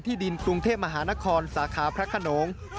ดินกรุงเทพมหานครสาขาพระขนง